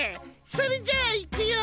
それじゃあ行くよ。